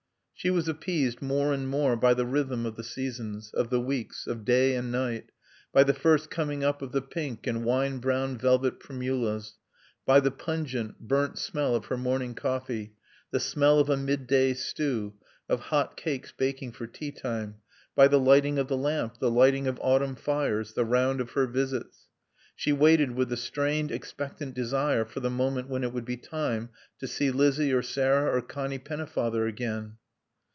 She was appeased more and more by the rhythm of the seasons, of the weeks, of day and night, by the first coming up of the pink and wine brown velvet primulas, by the pungent, burnt smell of her morning coffee, the smell of a midday stew, of hot cakes baking for tea time; by the lighting of the lamp, the lighting of autumn fires, the round of her visits. She waited with a strained, expectant desire for the moment when it would be time to see Lizzie or Sarah or Connie Pennefather again.